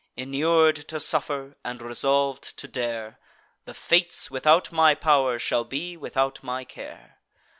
Inur'd to suffer, and resolv'd to dare, The Fates, without my pow'r, shall be without my care.